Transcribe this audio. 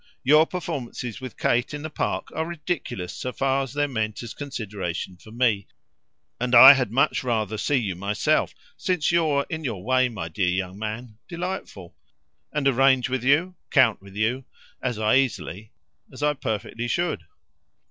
Your performances with Kate in the Park are ridiculous so far as they're meant as consideration for me; and I had much rather see you myself since you're, in your way, my dear young man, delightful and arrange with you, count with you, as I easily, as I perfectly should.